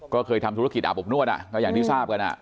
ก็เคยทำธุรกิจอาบอบนวดก็อย่างที่ทราบกัน